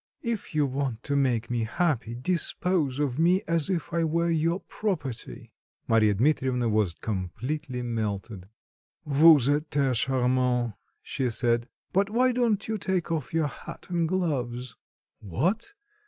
"If you want to make me happy, dispose of me as if I were your property." Marya Dmitrievna was completely melted. "Vous êtes charmante," she said. "But why don't you take off your hat and gloves?" "What?